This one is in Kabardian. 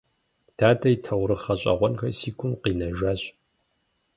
Дадэ и таурыхъ гъэщӀэгъуэнхэр си гум къинэжащ.